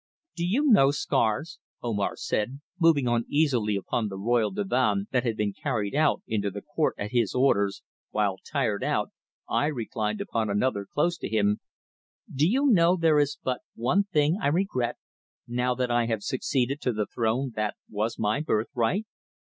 "Do you know, Scars," Omar said, moving uneasily upon the royal divan that had been carried out into the court at his orders, while, tired out, I reclined upon another close to him "do you know there is but one thing I regret, now that I have succeeded to the throne that was my birthright?"